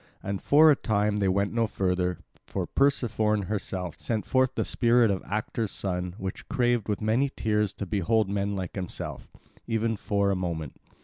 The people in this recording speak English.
And for a time they went no further, for Persephone herself sent forth the spirit of Actor's son which craved with many tears to behold men like himself, even for a moment.